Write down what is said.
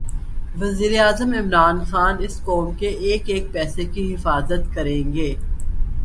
وزیراعظم عمران خان اس قوم کے ایک ایک پیسے کی حفاظت کریں گے